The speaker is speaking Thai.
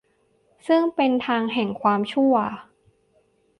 ซึ่งเป็นทางแห่งความชั่ว